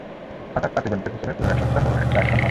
অর্থাৎ, পাটিগণিতের হিসাবে পূরো এক সপ্তাহেও একটা অ্যাকশন হয় না।